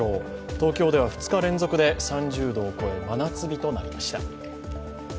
東京では２日連続で３０度を超え、真夏日となりました。